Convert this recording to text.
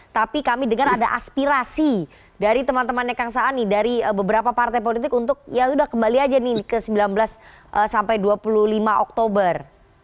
tapi kami dengar ada aspirasi dari teman temannya kang saan nih dari beberapa partai politik untuk yaudah kembali aja nih ke sembilan belas sampai dua puluh lima oktober